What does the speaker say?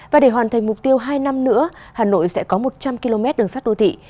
và để hoàn thành mục tiêu hai năm nữa hà nội sẽ có một trăm linh km đường sắt đô thị